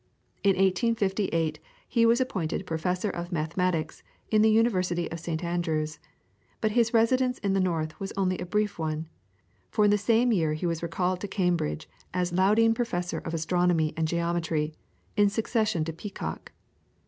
In 1858 he was appointed Professor of Mathematics in the University of St. Andrews, but his residence in the north was only a brief one, for in the same year he was recalled to Cambridge as Lowndean Professor of Astronomy and Geometry, in succession to Peacock.